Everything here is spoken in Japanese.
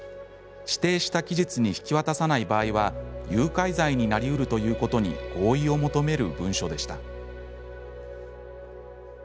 指定した期日に引き渡さない場合は誘拐罪になりうるということに合意を求める文書でした。